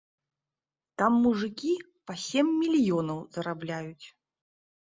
Там мужыкі па сем мільёнаў зарабляюць.